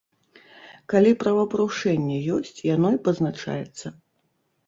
Калі правапарушэнне ёсць, яно і пазначаецца.